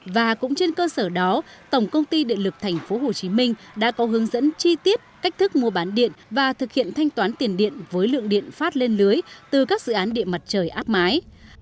và cũng trên cơ sở đó tổng công ty điện lực thành phố hồ chí minh đã có hướng dẫn chi tiết cách thức mua bán điện và thực hiện thanh toán tiền điện với lượng điện phát lên lưới từ các dự án điện mặt trời áp mái